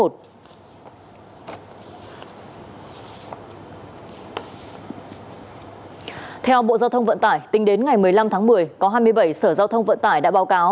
theo bộ giao thông vận tải tính đến ngày một mươi năm tháng một mươi có hai mươi bảy sở giao thông vận tải đã báo cáo